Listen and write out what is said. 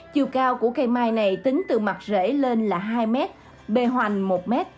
chiều cao của cây mai này tính từ mặt rễ lên là hai m b hoành một m